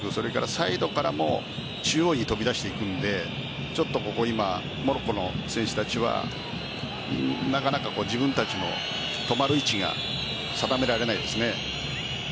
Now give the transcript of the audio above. サイドからも中央に飛び出していくのでちょっとモロッコの選手たちはなかなか自分たちの止まる位置が定められないですね。